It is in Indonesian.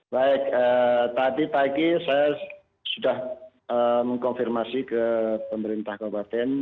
baik tadi pagi saya sudah mengkonfirmasi ke pemerintah kabupaten